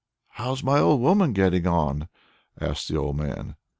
"How's my old woman getting on?" asked the old man.